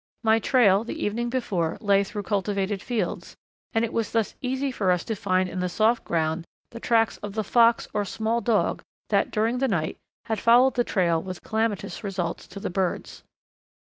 My trail the evening before lay through cultivated fields, and it was thus easy for us to find in the soft ground the tracks of the fox or small dog that, during the night, had followed the trail with calamitous results to the birds.